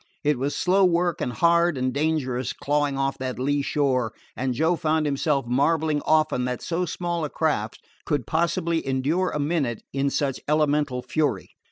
It was slow work, and hard and dangerous, clawing off that lee shore, and Joe found himself marveling often that so small a craft could possibly endure a minute in such elemental fury.